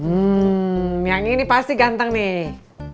hmm yang ini pasti ganteng nih